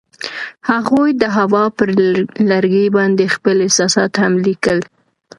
هغوی د هوا پر لرګي باندې خپل احساسات هم لیکل.